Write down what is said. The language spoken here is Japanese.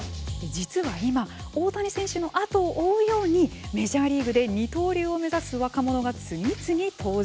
実は今大谷選手の後を追うようにメジャーリーグで二刀流を目指す若者が次々登場。